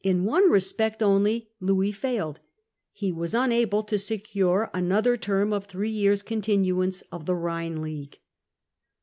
In one respect only Louis failed. He was unable to secure another term of three years' continuance of the Rhine League.